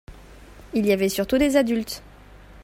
il y avait surtout des adultes.